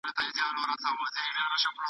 دا خوځښت تر پخواني هغه ډیر چټک دی.